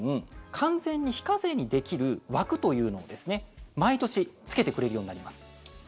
完全に非課税にできる枠というのを毎年つけてくれるようになります。